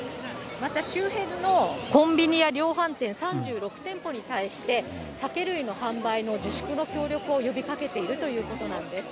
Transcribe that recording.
また周辺のコンビニや量販店３６店舗に対して、酒類の販売の自粛の協力を呼びかけているということなんです。